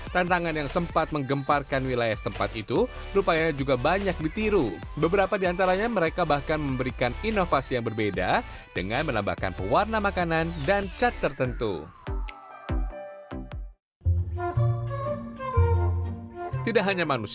tantangan yang sempat menggemparkan di udara ini adalah